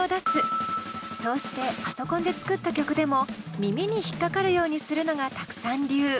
そうしてパソコンで作った曲でも耳にひっかかるようにするのがＴＡＫＵさん流。